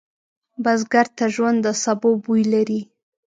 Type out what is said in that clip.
بزګر ته ژوند د سبو بوی لري